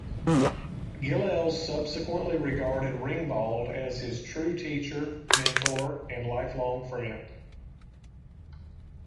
Gilels subsequently regarded Reingbald as his true teacher, mentor and lifelong friend.